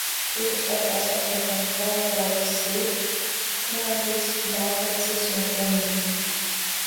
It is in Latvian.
Citu starpā sastopams baltgalvas zilknābis, baltacis un flamingi.